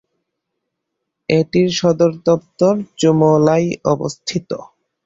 এটির সদরদপ্তর জুমলায় অবস্থিত।